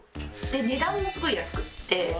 値段もすごい安くて。